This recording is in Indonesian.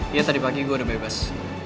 dia tadi pagi gue udah bebas